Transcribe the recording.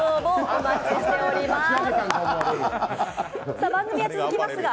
お待ちしております。